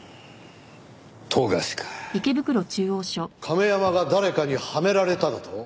亀山が誰かにはめられただと？